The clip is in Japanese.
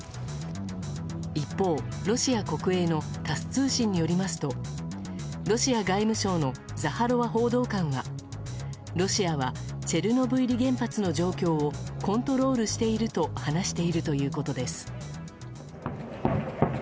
一方、ロシア国営のタス通信によりますとロシア外務省のザハロワ報道官がロシアはチェルノブイリ原発の状況をコントロールしていると話しているということです。